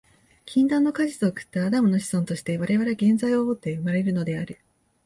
禁断の果実を食ったアダムの子孫として、我々は原罪を負うて生まれるのである。